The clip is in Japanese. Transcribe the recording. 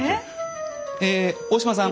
えっ？大島さん。